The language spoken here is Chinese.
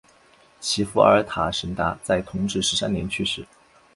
其父阿尔塔什达在同治十三年去世。